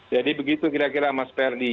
jadi begitu kira kira mas ferdi